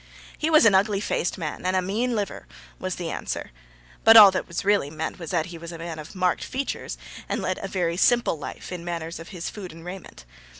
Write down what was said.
'He was a ugly faaced man, and a mean liver,' was the answer; but all that was really meant was that he was a man of marked features, and led a very simple life in matters of food and raiment.